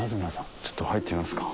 ちょっと入ってみますか。